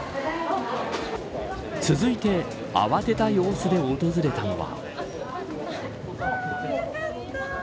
続いて、慌てた様子で訪れたのは。